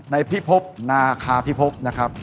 พิพบนาคาพิพบนะครับ